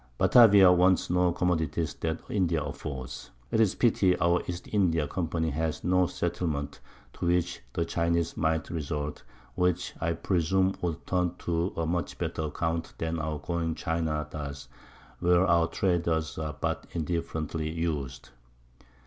Batavia wants no Commodities that India affords. 'Tis Pity our East India Company has no Settlement to which the Chineze might resort; which I presume would turn to a much better Account than our going to China does, where our Traders are but indifferently us'd.